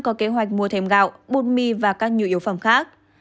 có kế hoạch mua thêm gạo bột mì và các nhu yếu phẩm khác